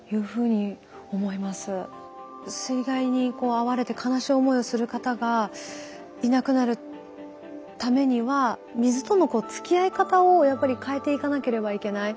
水害に遭われて悲しい思いをする方がいなくなるためには水とのつきあい方をやっぱり変えていかなければいけない。